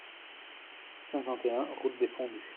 cinquante et un route des Fondus